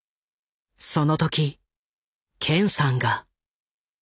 その時健さんが。